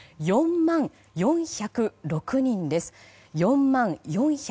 ４万４０６人です。